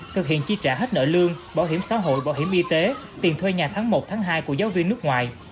thực hiện chi trả hết nợ lương bảo hiểm xã hội bảo hiểm y tế tiền thuê nhà tháng một tháng hai của giáo viên nước ngoài